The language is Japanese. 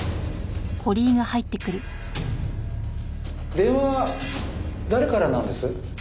電話誰からなんです？